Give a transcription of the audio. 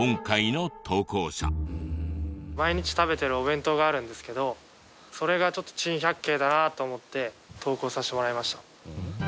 毎日食べてるお弁当があるんですけどそれがちょっと珍百景だなと思って投稿させてもらいました。